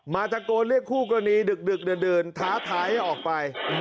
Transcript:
มาจากโกรธเรียกคู่กรณีดึกเดินท้าทายให้ออกไป